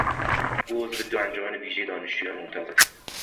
او عضو دو انجمن ویژهی دانشجویان ممتاز است.